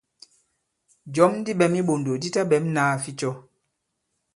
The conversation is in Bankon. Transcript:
Jɔ̌m di ɓɛ̌m i iɓòndò di taɓɛ̌m nāa ficɔ.